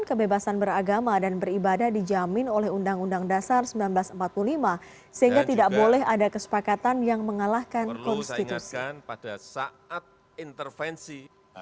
kebebasan beragama dan beribadah dijamin oleh undang undang dasar seribu sembilan ratus empat puluh lima sehingga tidak boleh ada kesepakatan yang mengalahkan konstitusi pada saat intervensi